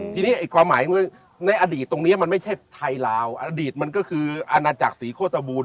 ทีนี้ความหมายในอดีตตรงนี้มันไม่ใช่ไทยลาวอดีตมันก็คืออาณาจักรศรีโคตบูรณ